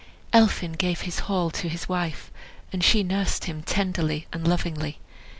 Elphin gave his haul to his wife, and she nursed him tenderly and lovingly.